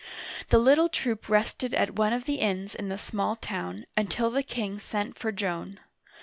The little troop rested at one of the inns in the small town, until the king sent for Joan.